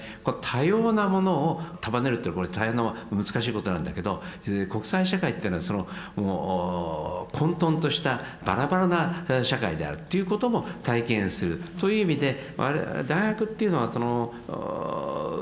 多様なものを束ねるってこれ大変な難しいことなんだけど国際社会っていうのはもう混とんとしたばらばらな社会であるということも体験するという意味で大学っていうのは多様な社会でもある。